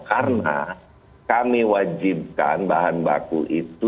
karena kami wajibkan bahan baku itu